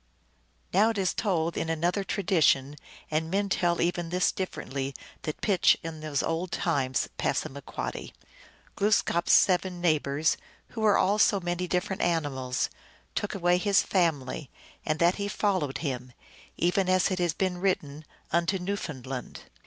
Now it is told in another tradition and men tell even this differently that pitchS, in these old times (P.) Glooskap s seven neighbors, who were all so many different animals, took away his family, and that he followed them, even as it has been written, unto New foundland.